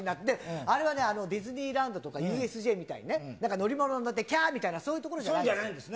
あれはディズニーランドとか、ＵＳＪみたいにね、乗り物に乗って、きゃーみたいな、そうじゃないんですね。